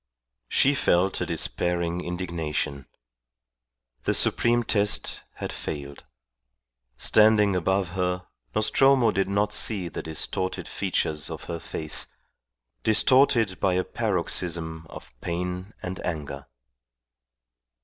She felt a despairing indignation. The supreme test had failed. Standing above her, Nostromo did not see the distorted features of her face, distorted by a paroxysm of pain and anger.